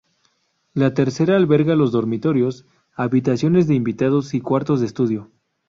La tercera alberga los dormitorios, habitaciones de invitados y cuartos de estudio.